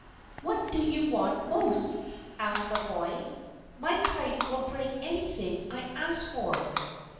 "What do you want most?" asked the boy. "My pipe will bring anything I ask for."